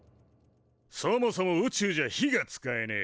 そもそも宇宙じゃ火が使えねえ。